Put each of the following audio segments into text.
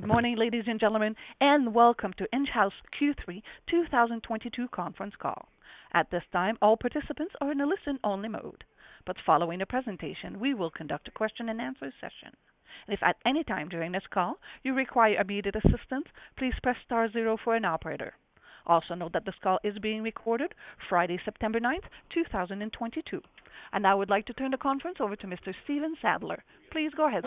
Good morning, ladies and gentlemen, and welcome to Enghouse Q3 2022 Conference Call. At this time, all participants are in a listen-only mode. Following the presentation, we will conduct a question-and-answer session. If at any time during this call you require immediate assistance, please press star zero for an operator. Also note that this call is being recorded Friday, September 9th, 2022. I now would like to turn the conference over to Mr. Stephen Sadler. Please go ahead,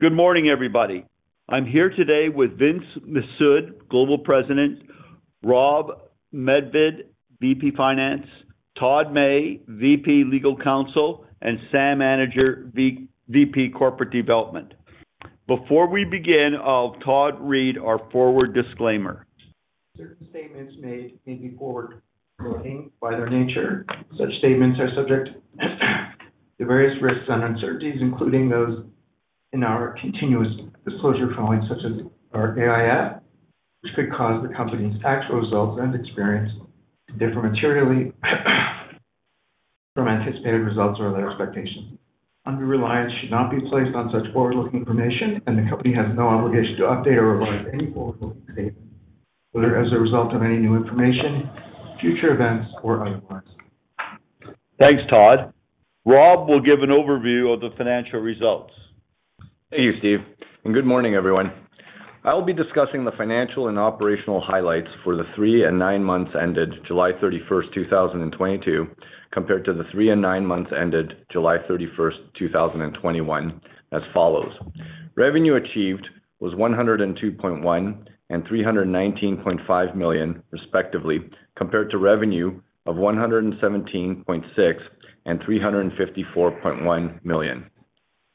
sir. Good morning, everybody. I'm here today with Vince Mifsud, Global President, Rob Medved, VP Finance, Todd May, VP Legal Counsel, and Sam Anidjar, VP Corporate Development. Before we begin, Todd read our forward disclaimer. Certain statements made may be forward-looking by their nature. Such statements are subject to various risks and uncertainties, including those in our continuous disclosure filings, such as our AIF, which could cause the company's actual results and experience to differ materially from anticipated results or other expectations. Undue reliance should not be placed on such forward-looking information, and the company has no obligation to update or revise any forward-looking statement, whether as a result of any new information, future events or otherwise. Thanks, Todd. Rob will give an overview of the financial results. Thank you, Steve, and good morning, everyone. I will be discussing the financial and operational highlights for the three and nine months ended July 31st, 2022, compared to the three and nine months ended July 31st, 2021 as follows. Revenue achieved was 102.1 million and 319.5 million, respectively, compared to revenue of 117.6 million and 354.1 million.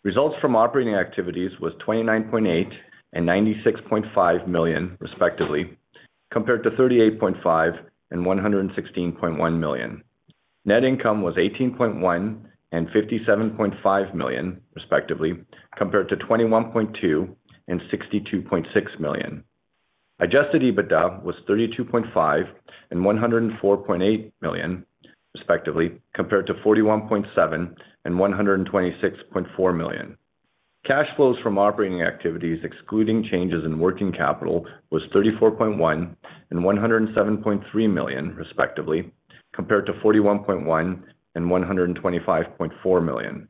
Results from operating activities was 29.8 million and 96.5 million, respectively, compared to 38.5 million and 116.1 million. Net income was 18.1 million and 57.5 million, respectively, compared to 21.2 million and 62.6 million. Adjusted EBITDA was 32.5 million and 104.8 million, respectively, compared to 41.7 million and 126.4 million. Cash flows from operating activities excluding changes in working capital was 34.1 million and 107.3 million, respectively, compared to 41.1 million and 125.4 million.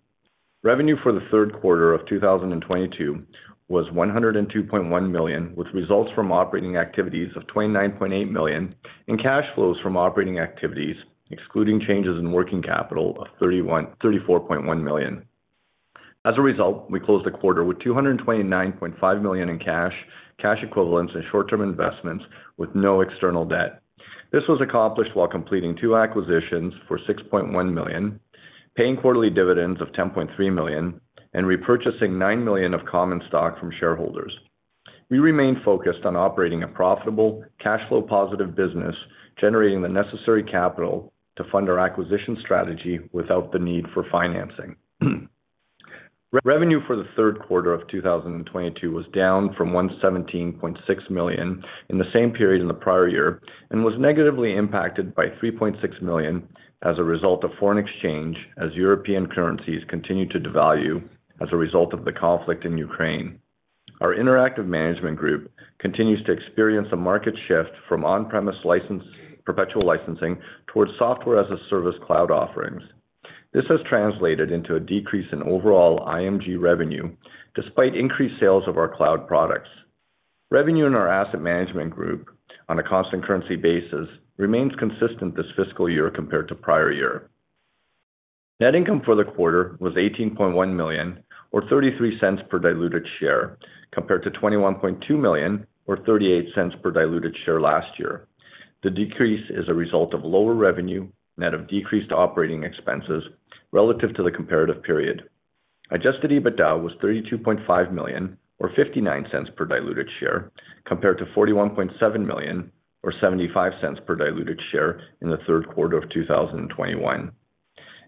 Revenue for the Q3 of 2022 was 102.1 million, with results from operating activities of 29.8 million and cash flows from operating activities, excluding changes in working capital of 34.1 million. As a result, we closed the quarter with 229.5 million in cash equivalents, and short-term investments with no external debt. This was accomplished while completing two acquisitions for 6.1 million, paying quarterly dividends of 10.3 million, and repurchasing 9 million of common stock from shareholders. We remain focused on operating a profitable cash flow positive business, generating the necessary capital to fund our acquisition strategy without the need for financing. Revenue for the Q3 of 2022 was down from 117.6 million in the same period in the prior year and was negatively impacted by 3.6 million as a result of foreign exchange as European currencies continue to devalue as a result of the conflict in Ukraine. Our Interactive Management Group continues to experience a market shift from on-premise perpetual licensing towards software as a service cloud offerings. This has translated into a decrease in overall IMG revenue despite increased sales of our cloud products. Revenue in our Asset Management Group on a constant currency basis remains consistent this fiscal year compared to prior year. Net income for the quarter was 18.1 million or 0.33 per diluted share, compared to 21.2 million or 0.38 per diluted share last year. The decrease is a result of lower revenue, net of decreased operating expenses relative to the comparative period. Adjusted EBITDA was CAD 32.5 million or 0.59 per diluted share, compared to CAD 41.7 million or 0.75 per diluted share in the Q3 of 2021.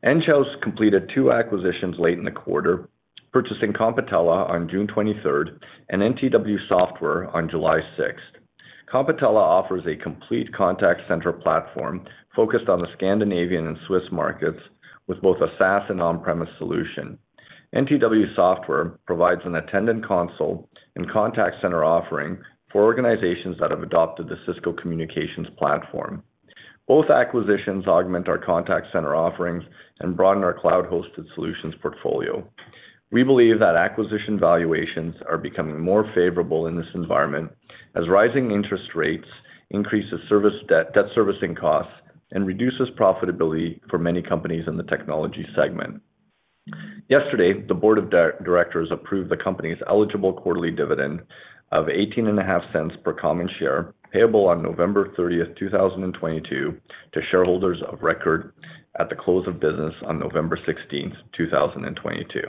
Enghouse completed 2 acquisitions late in the quarter, purchasing Competella on June 23 and NTW Software on July 6. Competella offers a complete contact center platform focused on the Scandinavian and Swiss markets with both a SaaS and on-premise solution. NTW Software provides an attendant console and contact center offering for organizations that have adopted the Cisco communications platform. Both acquisitions augment our contact center offerings and broaden our cloud-hosted solutions portfolio. We believe that acquisition valuations are becoming more favorable in this environment as rising interest rates increases debt servicing costs, and reduces profitability for many companies in the technology segment. Yesterday, the board of directors approved the company's eligible quarterly dividend of 0.185 per common share, payable on November 30th, 2022 to shareholders of record at the close of business on November 16th, 2022.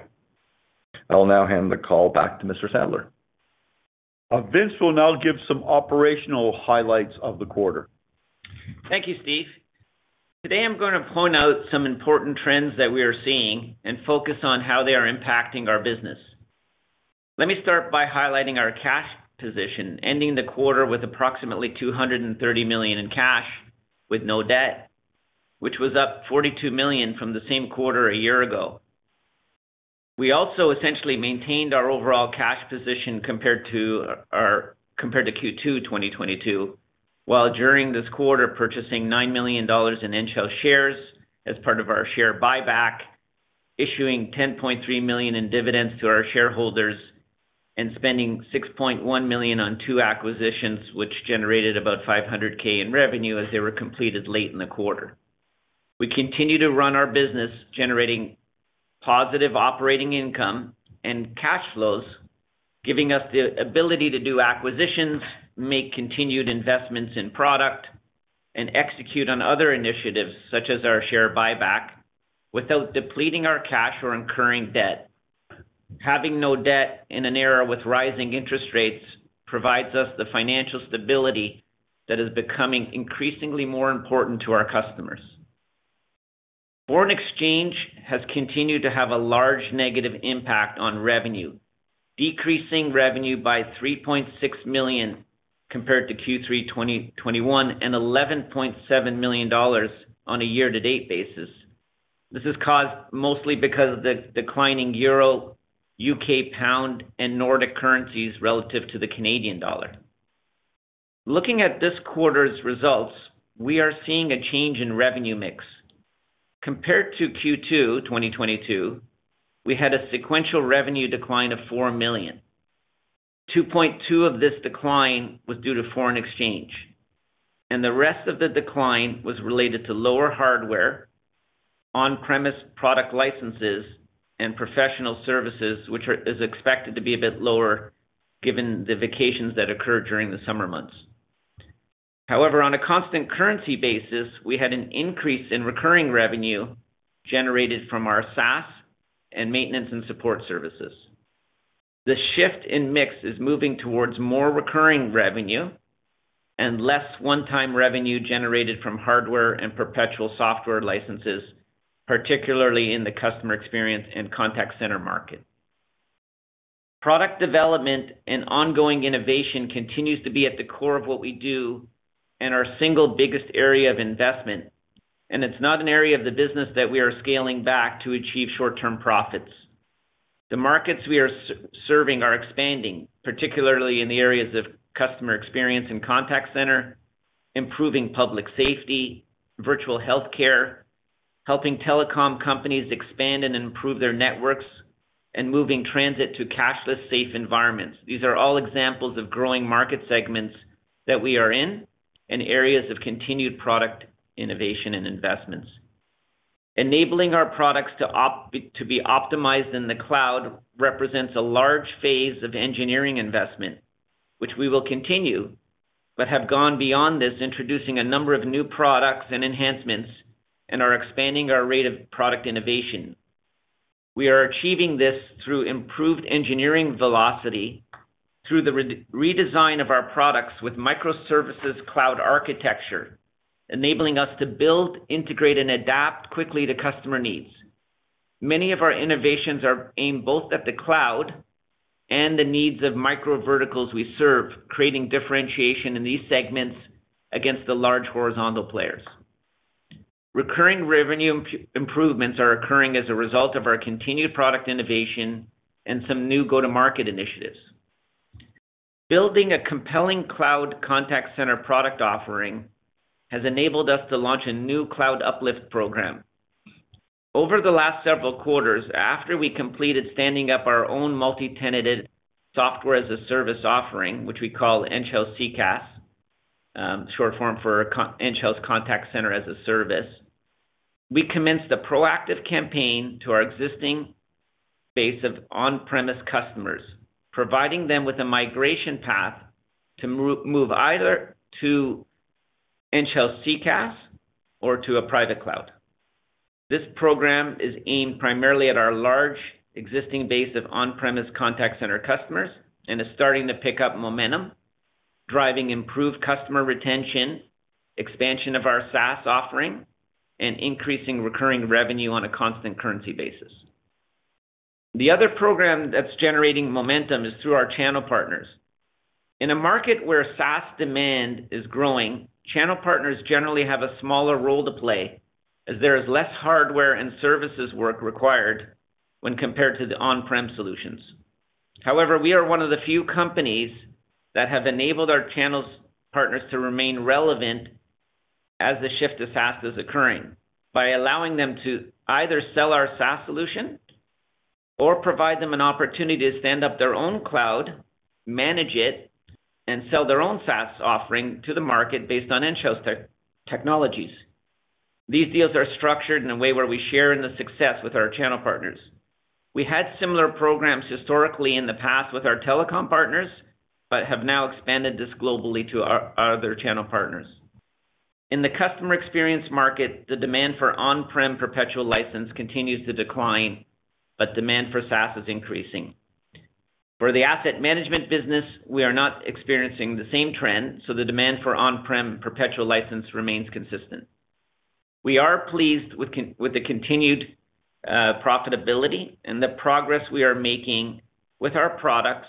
I will now hand the call back to Mr. Sadler. Vince will now give some operational highlights of the quarter. Thank you, Steve. Today, I'm gonna point out some important trends that we are seeing and focus on how they are impacting our business. Let me start by highlighting our cash position, ending the quarter with approximately 230 million in cash with no debt. Which was up $42 million from the same quarter a year ago. We also essentially maintained our overall cash position compared to Q2 2022, while during this quarter, purchasing $9 million in Enghouse shares as part of our share buyback, issuing $10.3 million in dividends to our shareholders, and spending $6.1 million on two acquisitions, which generated about $500K in revenue as they were completed late in the quarter. We continue to run our business generating positive operating income and cash flows, giving us the ability to do acquisitions, make continued investments in product, and execute on other initiatives, such as our share buyback, without depleting our cash or incurring debt. Having no debt in an era with rising interest rates provides us the financial stability that is becoming increasingly more important to our customers. Foreign exchange has continued to have a large negative impact on revenue, decreasing revenue by 3.6 million compared to Q3 2021, and 11.7 million dollars on a year-to-date basis. This is caused mostly because of the declining euro, UK pound, and Nordic currencies relative to the Canadian dollar. Looking at this quarter's results, we are seeing a change in revenue mix. Compared to Q2 2022, we had a sequential revenue decline of 4 million. 2.2 of this decline was due to foreign exchange, and the rest of the decline was related to lower hardware, on-premise product licenses, and professional services, which is expected to be a bit lower given the vacations that occur during the summer months. However, on a constant currency basis, we had an increase in recurring revenue generated from our SaaS and maintenance and support services. The shift in mix is moving towards more recurring revenue and less one-time revenue generated from hardware and perpetual software licenses, particularly in the customer experience and contact center market. Product development and ongoing innovation continues to be at the core of what we do and our single biggest area of investment, and it's not an area of the business that we are scaling back to achieve short-term profits. The markets we are serving are expanding, particularly in the areas of customer experience and contact center, improving public safety, virtual healthcare, helping telecom companies expand and improve their networks, and moving transit to cashless safe environments. These are all examples of growing market segments that we are in and areas of continued product innovation and investments. Enabling our products to be optimized in the cloud represents a large phase of engineering investment, which we will continue, but have gone beyond this, introducing a number of new products and enhancements, and are expanding our rate of product innovation. We are achieving this through improved engineering velocity through the redesign of our products with microservices cloud architecture, enabling us to build, integrate, and adapt quickly to customer needs. Many of our innovations are aimed both at the cloud and the needs of micro-verticals we serve, creating differentiation in these segments against the large horizontal players. Recurring revenue improvements are occurring as a result of our continued product innovation and some new go-to-market initiatives. Building a compelling cloud contact center product offering has enabled us to launch a new cloud uplift program. Over the last several quarters, after we completed standing up our own multi-tenanted software-as-a-service offering, which we call Enghouse CCaaS, short form for Enghouse Contact Center as a Service, we commenced a proactive campaign to our existing base of on-premise customers, providing them with a migration path to move either to Enghouse CCaaS or to a private cloud. This program is aimed primarily at our large existing base of on-premise contact center customers and is starting to pick up momentum, driving improved customer retention, expansion of our SaaS offering, and increasing recurring revenue on a constant currency basis. The other program that's generating momentum is through our channel partners. In a market where SaaS demand is growing, channel partners generally have a smaller role to play as there is less hardware and services work required when compared to the on-prem solutions. However, we are one of the few companies that have enabled our channel partners to remain relevant as the shift to SaaS is occurring by allowing them to either sell our SaaS solution or provide them an opportunity to stand up their own cloud, manage it, and sell their own SaaS offering to the market based on Enghouse technologies. These deals are structured in a way where we share in the success with our channel partners. We had similar programs historically in the past with our telecom partners, but have now expanded this globally to our other channel partners. In the customer experience market, the demand for on-prem perpetual license continues to decline, but demand for SaaS is increasing. For the asset management business, we are not experiencing the same trend, so the demand for on-prem perpetual license remains consistent. We are pleased with the continued profitability and the progress we are making with our products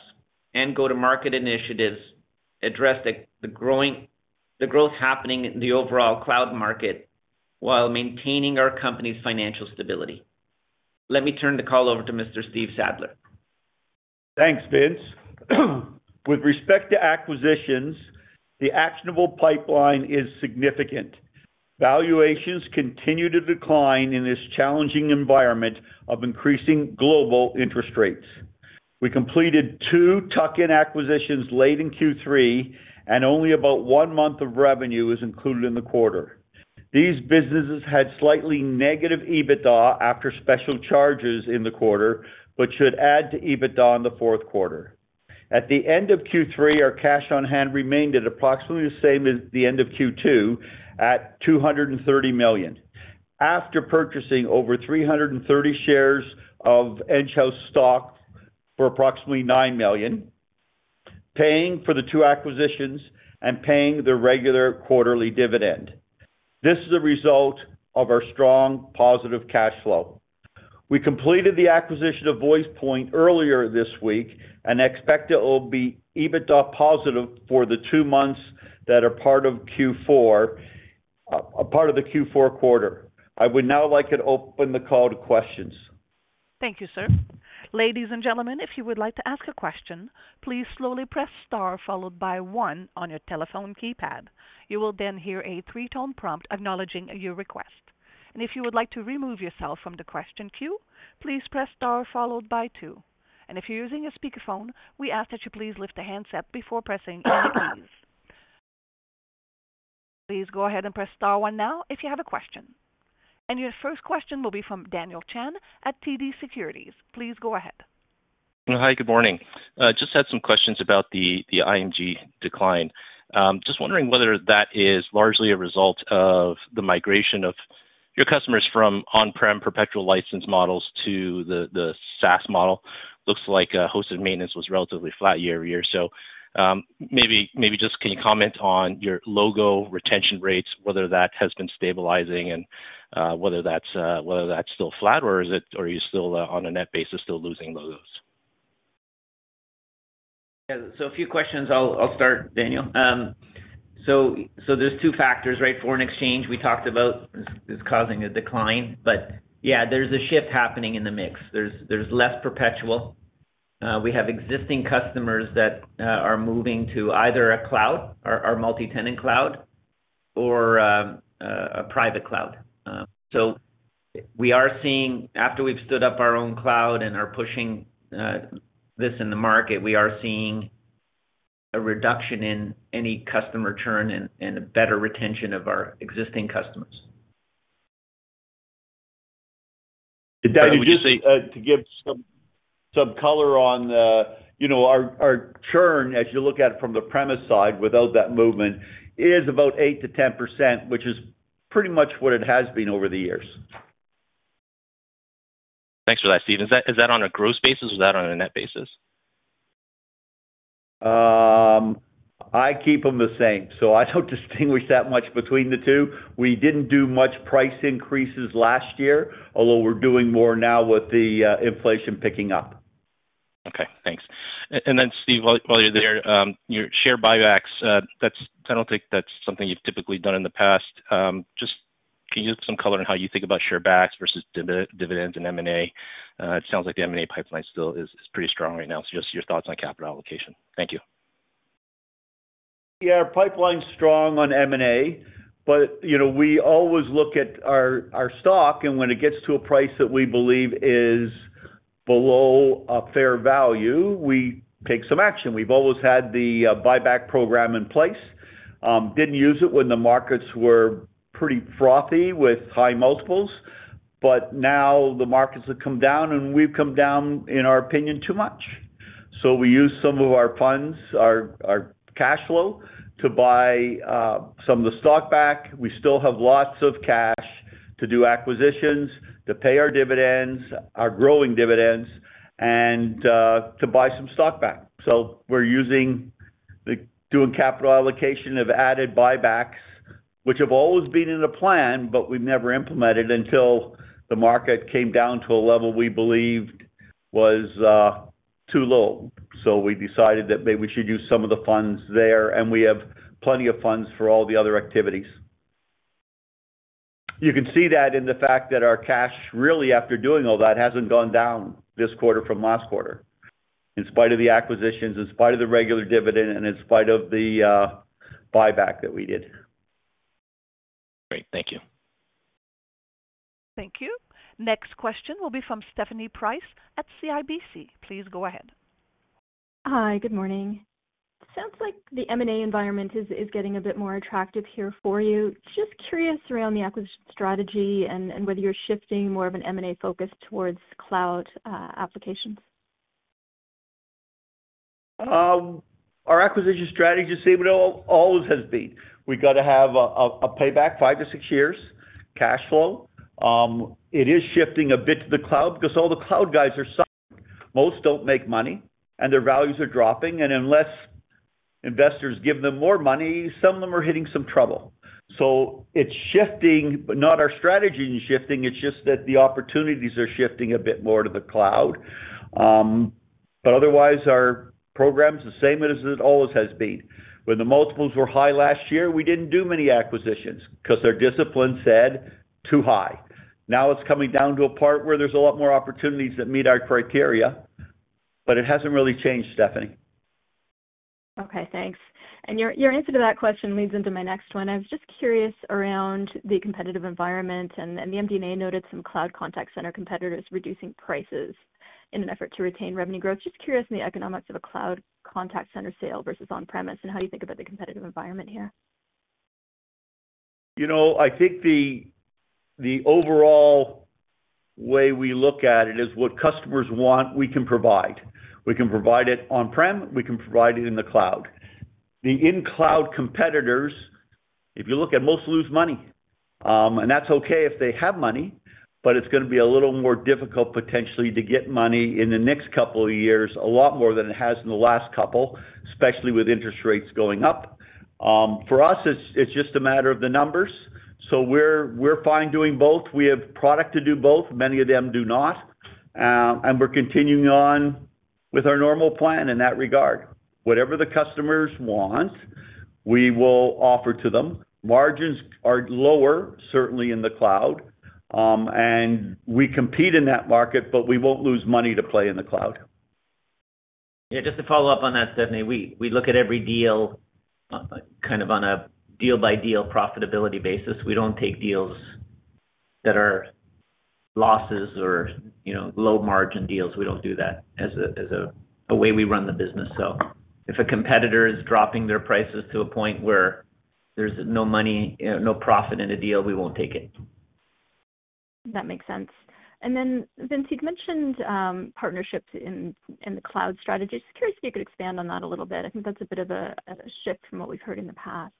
and go-to-market initiatives. Address the growth happening in the overall cloud market while maintaining our company's financial stability. Let me turn the call over to Mr. Steve Sadler. Thanks, Vince. With respect to acquisitions, the actionable pipeline is significant. Valuations continue to decline in this challenging environment of increasing global interest rates. We completed two tuck-in acquisitions late in Q3, and only about one month of revenue is included in the quarter. These businesses had slightly negative EBITDA after special charges in the quarter, but should add to EBITDA in the Q4. At the end of Q3, our cash on hand remained at approximately the same as the end of Q2 at 230 million. After purchasing over 330 shares of Enghouse stock for approximately 9 million, paying for the two acquisitions, and paying the regular quarterly dividend, this is a result of our strong positive cash flow. We completed the acquisition of VoicePort earlier this week and expect it will be EBITDA positive for the two months that are part of Q4 quarter. I would now like to open the call to questions. Thank you, sir. Ladies and gentlemen, if you would like to ask a question, please slowly press star followed by one on your telephone keypad. You will then hear a three-tone prompt acknowledging your request. If you would like to remove yourself from the question queue, please press star followed by two. If you're using a speakerphone, we ask that you please lift the handset before pressing any keys. Please go ahead and press star one now if you have a question. Your first question will be from Daniel Chan at TD Securities. Please go ahead. Hi, good morning. I just had some questions about the IMG decline. Just wondering whether that is largely a result of the migration of your customers from on-prem perpetual license models to the SaaS model. Looks like hosted maintenance was relatively flat year-over-year. Maybe just can you comment on your logo retention rates, whether that has been stabilizing and whether that's still flat or are you still on a net basis still losing logos? Yeah. A few questions. I'll start, Daniel. There's two factors, right? Foreign exchange, we talked about, is causing a decline. Yeah, there's a shift happening in the mix. There's less perpetual. We have existing customers that are moving to either a cloud or our multi-tenant cloud or a private cloud. We are seeing after we've stood up our own cloud and are pushing this in the market, we are seeing a reduction in any customer churn and a better retention of our existing customers. Daniel, just to give some color. You know, our churn as you look at it from the on-premise side without that movement is about 8%-10%, which is pretty much what it has been over the years. Thanks for that, Steve. Is that on a gross basis or is that on a net basis? I keep them the same, so I don't distinguish that much between the two. We didn't do much price increases last year, although we're doing more now with the inflation picking up. Okay, thanks. Steve, while you're there, your share buybacks, that's. I don't think that's something you've typically done in the past. Just can you give some color on how you think about share buybacks versus dividends and M&A? It sounds like the M&A pipeline still is pretty strong right now. Your thoughts on capital allocation. Thank you. Yeah. Pipeline's strong on M&A, but, you know, we always look at our stock, and when it gets to a price that we believe is below a fair value, we take some action. We've always had the buyback program in place. Didn't use it when the markets were pretty frothy with high multiples. Now the markets have come down, and we've come down, in our opinion, too much. We use some of our funds, our cash flow to buy some of the stock back. We still have lots of cash to do acquisitions, to pay our dividends, our growing dividends, and to buy some stock back. We're doing capital allocation of added buybacks, which have always been in the plan, but we've never implemented until the market came down to a level we believed was too low. We decided that maybe we should use some of the funds there, and we have plenty of funds for all the other activities. You can see that in the fact that our cash really, after doing all that, hasn't gone down this quarter from last quarter, in spite of the acquisitions, in spite of the regular dividend, and in spite of the buyback that we did. Great. Thank you. Thank you. Next question will be from Stephanie Price at CIBC. Please go ahead. Hi. Good morning. Sounds like the M&A environment is getting a bit more attractive here for you. Just curious around the acquisition strategy and whether you're shifting more of an M&A focus towards cloud applications. Our acquisition strategy the same it always has been. We've got to have a payback 5-6 years cash flow. It is shifting a bit to the cloud because all the cloud guys are selling. Most don't make money, and their values are dropping. Unless investors give them more money, some of them are hitting some trouble. It's shifting, but our strategy is not shifting, it's just that the opportunities are shifting a bit more to the cloud. Otherwise, our program is the same as it always has been. When the multiples were high last year, we didn't do many acquisitions 'cause our discipline said, "Too high." Now it's coming down to a point where there's a lot more opportunities that meet our criteria, but it hasn't really changed, Stephanie. Okay, thanks. Your answer to that question leads into my next one. I was just curious around the competitive environment, and the MD&A noted some cloud contact center competitors reducing prices in an effort to retain revenue growth. Just curious on the economics of a cloud contact center sale versus on-premise, and how you think about the competitive environment here. You know, I think the overall way we look at it is what customers want, we can provide. We can provide it on-prem, we can provide it in the cloud. The in-cloud competitors, if you look at most, lose money. That's okay if they have money, but it's gonna be a little more difficult potentially to get money in the next couple of years, a lot more than it has in the last couple, especially with interest rates going up. For us, it's just a matter of the numbers. We're fine doing both. We have product to do both. Many of them do not. We're continuing on with our normal plan in that regard. Whatever the customers want, we will offer to them. Margins are lower, certainly in the cloud. We compete in that market, but we won't lose money to play in the cloud. Yeah. Just to follow up on that, Stephanie. We look at every deal kind of on a deal-by-deal profitability basis. We don't take deals that are losses or, you know, low-margin deals. We don't do that as a way we run the business. So if a competitor is dropping their prices to a point where there's no money, you know, no profit in a deal, we won't take it. That makes sense. Vince, you'd mentioned partnerships in the cloud strategy. Just curious if you could expand on that a little bit. I think that's a bit of a shift from what we've heard in the past.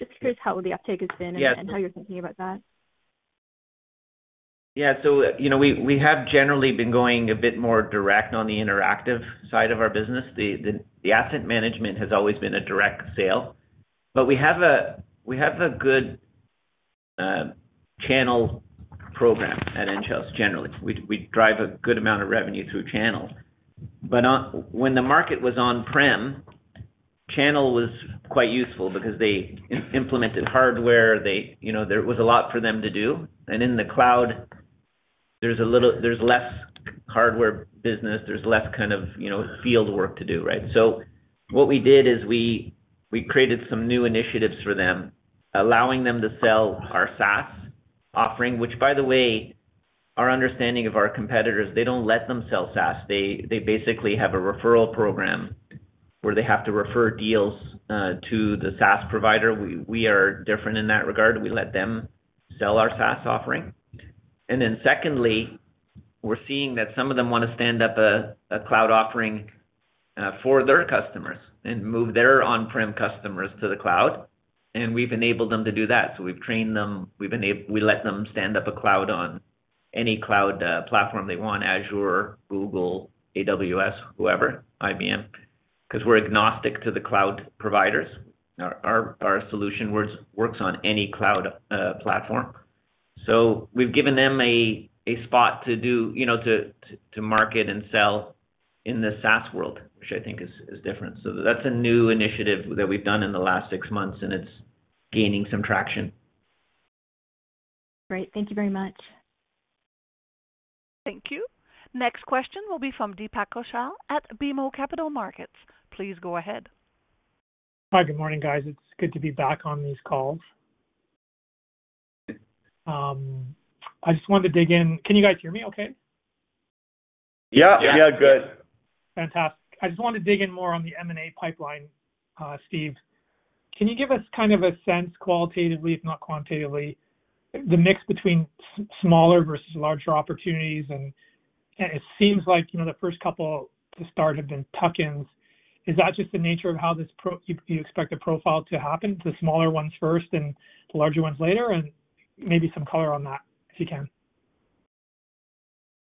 Just curious how the uptake has been. Yeah. How you're thinking about that? We have generally been going a bit more direct on the interactive side of our business. The asset management has always been a direct sale. We have a good channel program at Enghouse generally. We drive a good amount of revenue through channels. When the market was on-prem, channel was quite useful because they implemented hardware. There was a lot for them to do. In the cloud, there's less hardware business, there's less kind of field work to do, right? What we did is we created some new initiatives for them, allowing them to sell our SaaS offering, which, by the way, to our understanding, our competitors don't let them sell SaaS. They basically have a referral program where they have to refer deals to the SaaS provider. We are different in that regard. We let them sell our SaaS offering. Secondly, we're seeing that some of them wanna stand up a cloud offering for their customers and move their on-prem customers to the cloud, and we've enabled them to do that. We've trained them. We let them stand up a cloud on any cloud platform they want, Azure, Google, AWS, whoever, IBM, 'cause we're agnostic to the cloud providers. Our solution works on any cloud platform. We've given them a spot to do you know to market and sell in the SaaS world, which I think is different. That's a new initiative that we've done in the last six months, and it's gaining some traction. Great. Thank you very much. Thank you. Next question will be from Deepak Kaushal at BMO Capital Markets. Please go ahead. Hi. Good morning, guys. It's good to be back on these calls. I just wanted to dig in. Can you guys hear me okay? Yeah. Yeah. Yeah. Good. Fantastic. I just wanted to dig in more on the M&A pipeline, Steve. Can you give us kind of a sense qualitatively, if not quantitatively, the mix between smaller versus larger opportunities? It seems like, you know, the first couple to start have been tuck-ins. Is that just the nature of how this do you expect the profile to happen, the smaller ones first and the larger ones later? Maybe some color on that, if you can.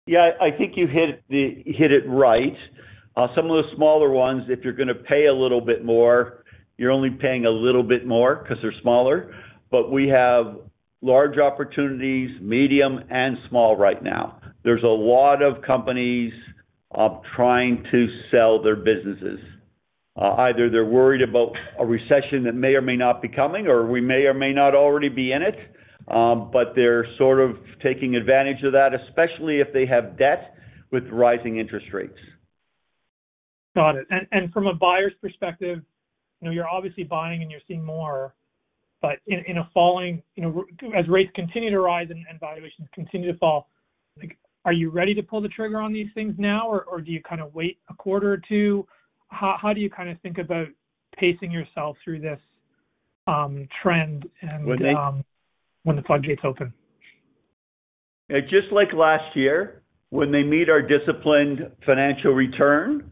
Yeah. I think you hit it right. Some of the smaller ones, if you're gonna pay a little bit more, you're only paying a little bit more 'cause they're smaller. We have large opportunities, medium, and small right now. There's a lot of companies trying to sell their businesses. Either they're worried about a recession that may or may not be coming, or we may or may not already be in it. They're sort of taking advantage of that, especially if they have debt with rising interest rates. Got it. From a buyer's perspective, you know, you're obviously buying and you're seeing more, but in a falling, you know, as rates continue to rise and valuations continue to fall, like, are you ready to pull the trigger on these things now, or do you kinda wait a quarter or two? How do you kinda think about pacing yourself through this trend? When they- When the floodgates open? Just like last year, when they meet our disciplined financial return,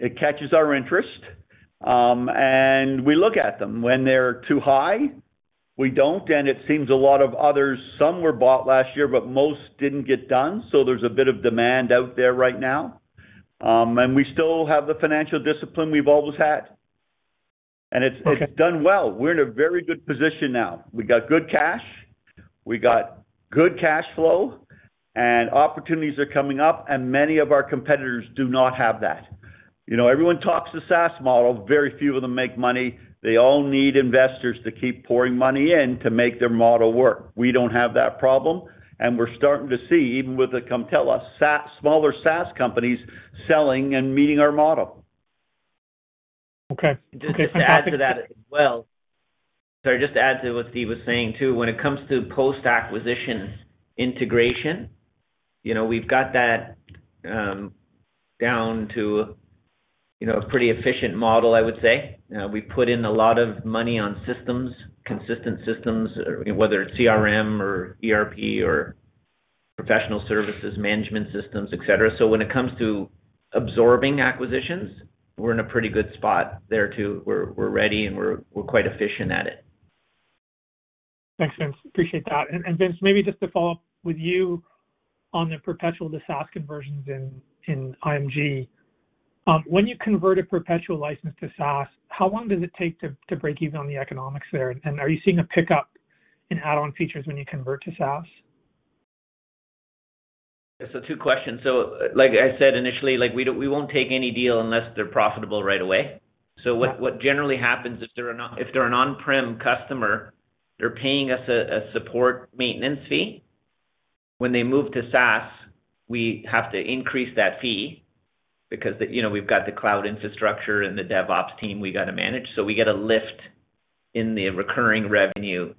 it catches our interest, and we look at them. When they're too high, we don't, and it seems a lot of others, some were bought last year, but most didn't get done, so there's a bit of demand out there right now. We still have the financial discipline we've always had. Okay. It's done well. We're in a very good position now. We got good cash, we got good cash flow, and opportunities are coming up, and many of our competitors do not have that. You know, everyone talks the SaaS model, very few of them make money. They all need investors to keep pouring money in to make their model work. We don't have that problem, and we're starting to see, even with the Competella SaaS, smaller SaaS companies selling and meeting our model. Okay. Just to add to that. Well, sorry, just to add to what Steve was saying too. When it comes to post-acquisition integration, you know, we've got that down to, you know, a pretty efficient model, I would say. We put in a lot of money on systems, consistent systems, whether it's CRM or ERP or professional services management systems, et cetera. When it comes to absorbing acquisitions, we're in a pretty good spot there too. We're ready and we're quite efficient at it. Thanks, Vince. Appreciate that. Vince, maybe just to follow up with you on the perpetual to SaaS conversions in IMG. When you convert a perpetual license to SaaS, how long does it take to break even on the economics there? Are you seeing a pickup in add-on features when you convert to SaaS? Two questions. Like I said initially, like we won't take any deal unless they're profitable right away. Yeah. What generally happens if they're an on-prem customer, they're paying us a support maintenance fee. When they move to SaaS, we have to increase that fee because, you know, we've got the cloud infrastructure and the DevOps team we got to manage. We get a lift in the recurring revenue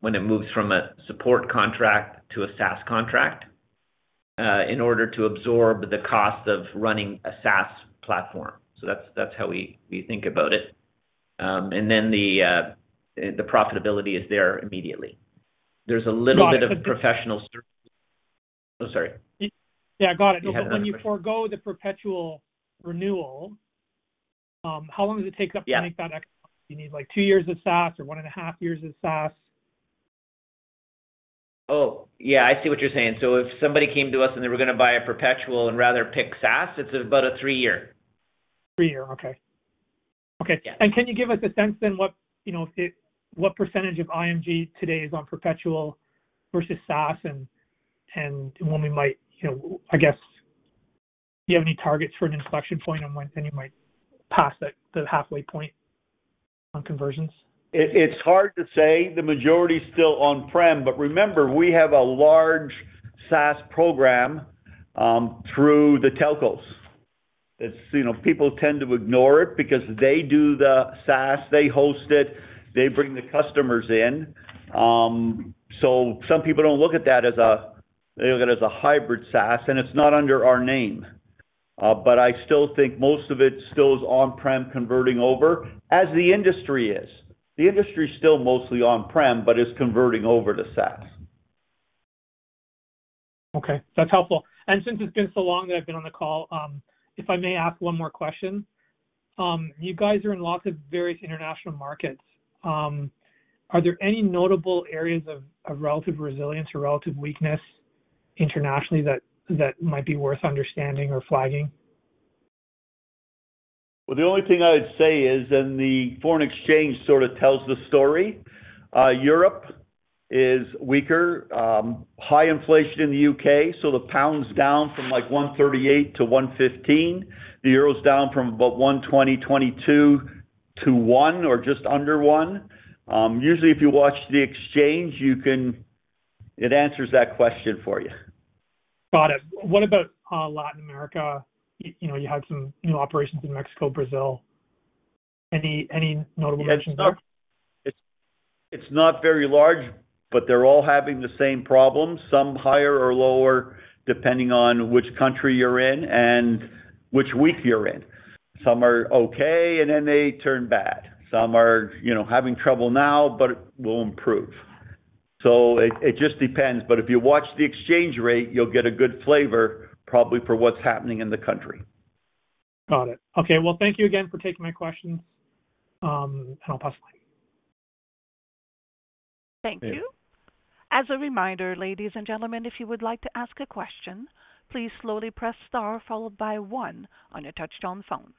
when it moves from a support contract to a SaaS contract in order to absorb the cost of running a SaaS platform. That's how we think about it. The profitability is there immediately. There's a little bit of professional service. Yeah, got it. When you forego the perpetual renewal, how long does it take to make up the economics? You need like two years of SaaS or one and a half years of SaaS? Oh, yeah, I see what you're saying. If somebody came to us and they were gonna buy a perpetual and rather pick SaaS, it's about a three-year. Okay. Yeah. Can you give us a sense then what, you know, what percentage of IMG today is on perpetual versus SaaS and when we might, you know, I guess, do you have any targets for an inflection point on when things might pass that, the halfway point on conversions? It's hard to say. The majority is still on-prem, but remember, we have a large SaaS program through the telcos. You know, people tend to ignore it because they do the SaaS, they host it, they bring the customers in. Some people don't look at that, they look at it as a hybrid SaaS, and it's not under our name. I still think most of it still is on-prem converting over as the industry is. The industry is still mostly on-prem, but it's converting over to SaaS. Okay, that's helpful. Since it's been so long that I've been on the call, if I may ask one more question. You guys are in lots of various international markets. Are there any notable areas of relative resilience or relative weakness internationally that might be worth understanding or flagging? Well, the only thing I would say is the foreign exchange sort of tells the story. Europe is weaker, high inflation in the UK, so the pound's down from like 1.38 to 1.15. The euro's down from about 1.22 to 1 or just under 1. Usually if you watch the exchange, it answers that question for you. Got it. What about Latin America? You know, you have some new operations in Mexico, Brazil. Any notable mentions there? It's not very large, but they're all having the same problems, some higher or lower, depending on which country you're in and which week you're in. Some are okay, and then they turn bad. Some are, you know, having trouble now, but will improve. It just depends. If you watch the exchange rate, you'll get a good flavor probably for what's happening in the country. Got it. Okay. Well, thank you again for taking my questions, and I'll pass the line. Yeah. Thank you. As a reminder, ladies and gentlemen, if you would like to ask a question, please slowly press star followed by one on your touchtone phone.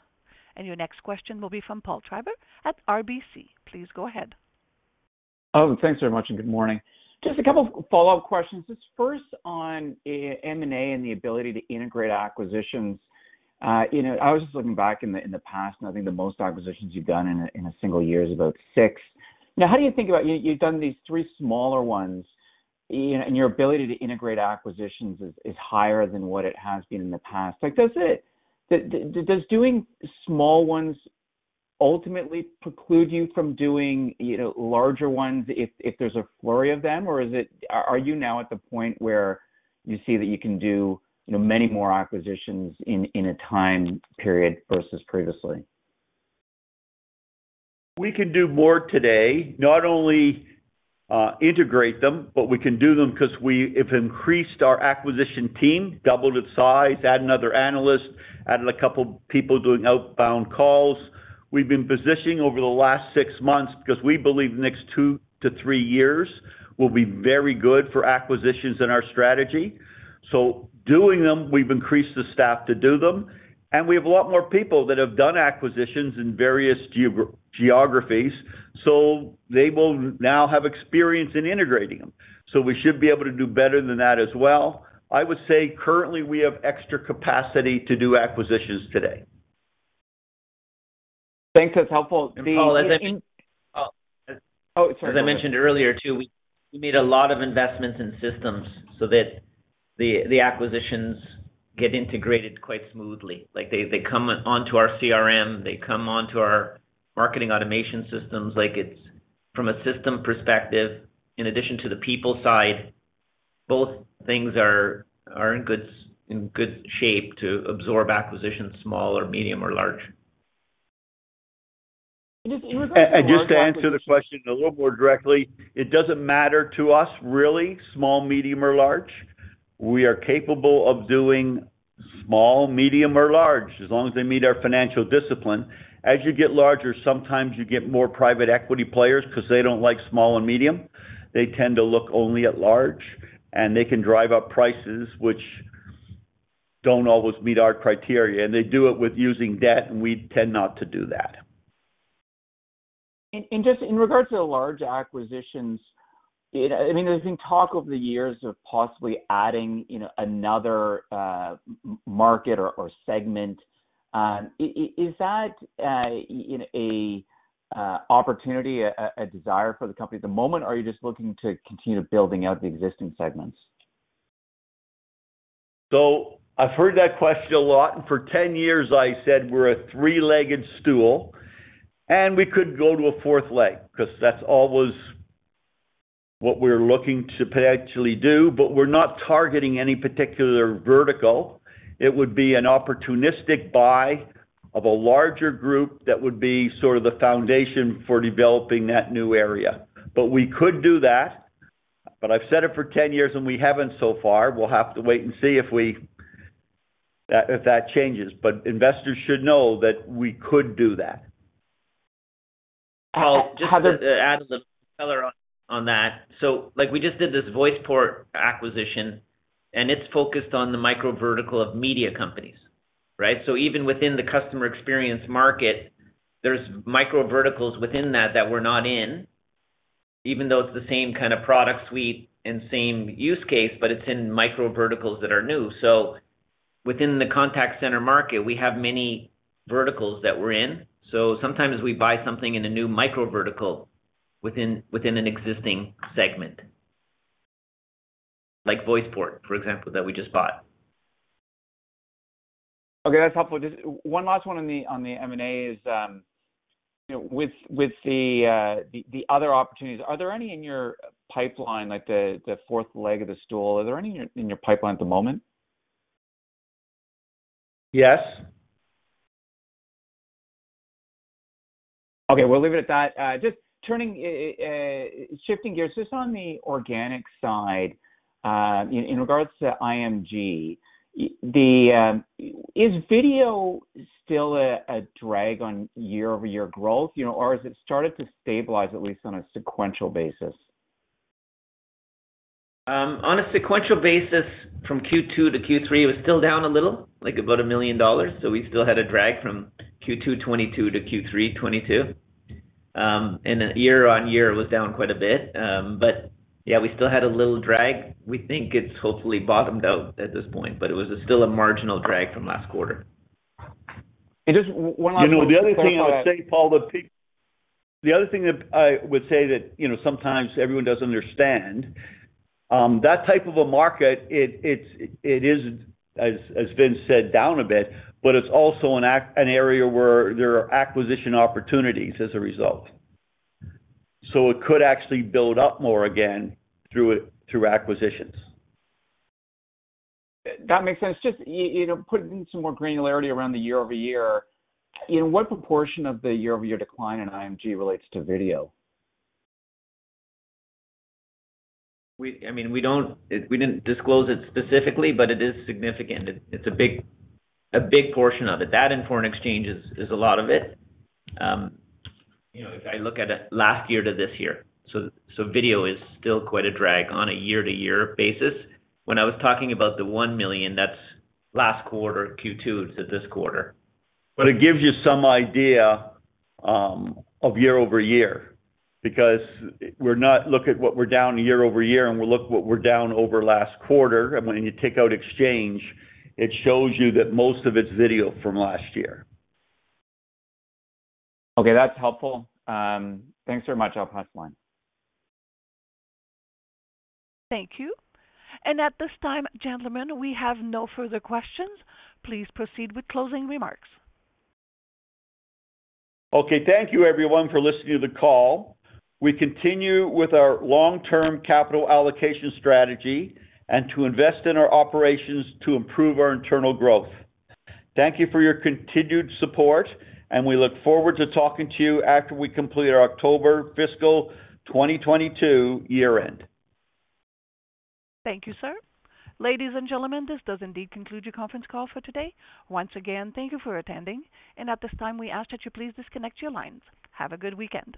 Your next question will be from Paul Treiber at RBC. Please go ahead. Oh, thanks very much, and good morning. Just a couple follow-up questions. Just first on M&A and the ability to integrate acquisitions. You know, I was just looking back in the past, and I think the most acquisitions you've done in a single year is about six. Now, how do you think about you've done these three smaller ones and your ability to integrate acquisitions is higher than what it has been in the past. Like, does doing small ones ultimately preclude you from doing, you know, larger ones if there's a flurry of them? Or are you now at the point where you see that you can do, you know, many more acquisitions in a time period versus previously? We can do more today, not only integrate them, but we can do them because we have increased our acquisition team, doubled its size, added another analyst, added a couple people doing outbound calls. We've been positioning over the last six months because we believe the next two to three years will be very good for acquisitions in our strategy. Doing them, we've increased the staff to do them. We have a lot more people that have done acquisitions in various geographies, so they will now have experience in integrating them. We should be able to do better than that as well. I would say currently we have extra capacity to do acquisitions today. Thanks. That's helpful. Paul, as I mentioned. Oh, sorry. Go ahead. As I mentioned earlier too, we made a lot of investments in systems so that the acquisitions get integrated quite smoothly. Like they come onto our CRM, they come onto our marketing automation systems. Like it's from a system perspective, in addition to the people side, both things are in good shape to absorb acquisitions, small or medium or large. Just in regards to large acquisitions. Just to answer the question a little more directly, it doesn't matter to us really, small, medium, or large. We are capable of doing small, medium or large, as long as they meet our financial discipline. As you get larger, sometimes you get more private equity players because they don't like small and medium. They tend to look only at large, and they can drive up prices, which don't always meet our criteria, and they do it with using debt, and we tend not to do that. In regards to the large acquisitions, you know, I mean, there's been talk over the years of possibly adding, you know, another market or segment. Is that, you know, a opportunity, a desire for the company at the moment, or are you just looking to continue building out the existing segments? I've heard that question a lot, and for 10 years, I said we're a three-legged stool, and we could go to a fourth leg because that's always what we're looking to potentially do. We're not targeting any particular vertical. It would be an opportunistic buy of a larger group that would be sort of the foundation for developing that new area. We could do that. I've said it for 10 years, and we haven't so far. We'll have to wait and see if that changes. Investors should know that we could do that. Paul, just to add a little color on that. Like we just did this VoicePort acquisition, and it's focused on the micro-vertical of media companies, right? Even within the customer experience market, there's micro-verticals within that that we're not in, even though it's the same kind of product suite and same use case, but it's in micro-verticals that are new. Within the contact center market, we have many verticals that we're in. Sometimes we buy something in a new micro-vertical within an existing segment, like VoicePort, for example, that we just bought. Okay, that's helpful. Just one last one on the M&A is, you know, with the other opportunities, are there any in your pipeline, like the fourth leg of the stool? Are there any in your pipeline at the moment? Yes. Okay, we'll leave it at that. Just turning, shifting gears, just on the organic side, in regards to IMG, the. Is video still a drag on year-over-year growth, you know, or has it started to stabilize, at least on a sequential basis? On a sequential basis from Q2 to Q3, it was still down a little, like about 1 million dollars. We still had a drag from Q2 2022 to Q3 2022. Year-on-year, it was down quite a bit. Yeah, we still had a little drag. We think it's hopefully bottomed out at this point, but it was still a marginal drag from last quarter. Just one last one before I. You know, the other thing I would say, Paul, that you know, sometimes everyone doesn't understand that type of a market. It is as Vince said, down a bit, but it's also an area where there are acquisition opportunities as a result. It could actually build up more again through acquisitions. That makes sense. Just, you know, putting some more granularity around the year-over-year, you know, what proportion of the year-over-year decline in IMG relates to video? I mean, we didn't disclose it specifically, but it is significant. It's a big portion of it. That and foreign exchange is a lot of it. You know, if I look at it last year to this year. Video is still quite a drag on a year-to-year basis. When I was talking about the 1 million, that's last quarter, Q2 to this quarter. It gives you some idea of year-over-year because we're not looking at what we're down year-over-year and we look at what we're down over last quarter. When you take out exchange, it shows you that most of it's video from last year. Okay, that's helpful. Thanks very much. I'll pass the line. Thank you. At this time, gentlemen, we have no further questions. Please proceed with closing remarks. Okay, thank you everyone for listening to the call. We continue with our long-term capital allocation strategy and to invest in our operations to improve our internal growth. Thank you for your continued support, and we look forward to talking to you after we complete our October fiscal 2022 year end. Thank you, sir. Ladies and gentlemen, this does indeed conclude your conference call for today. Once again, thank you for attending. At this time, we ask that you please disconnect your lines. Have a good weekend.